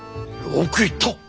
よく言った！